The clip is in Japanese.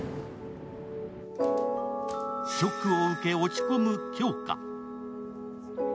ショックを受け落ち込む杏花。